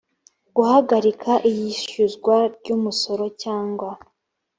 guhagarika iyishyuzwa ry umusoro cyangwa